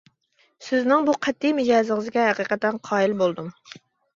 سىزنىڭ بۇ قەتئىي مىجەزىڭىزگە ھەقىقەتەن قايىل بولدۇم.